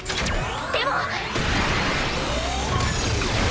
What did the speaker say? でも！